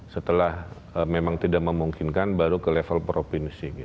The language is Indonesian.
setelah memang tidak memungkinkan baru ke level provinsi